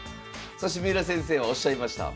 そして三浦先生はおっしゃいました。